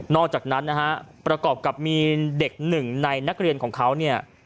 อกจากนั้นนะฮะประกอบกับมีเด็กหนึ่งในนักเรียนของเขาเนี่ย